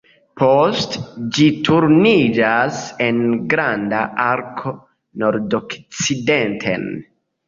Poste ĝi turniĝas en granda arko nordokcidenten.